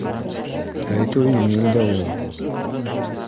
- Әйтеүе еңел дә у...